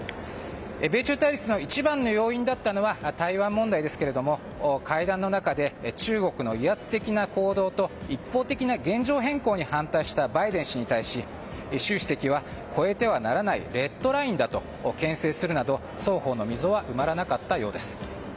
米中対立の一番の要因だったのは台湾問題ですけれども会談の中で中国の威圧的な行動と一方的な現状変更に反対したバイデン氏に対し習主席は、越えてはならないレッドラインだと牽制するなど、双方の溝は埋まらなかったようです。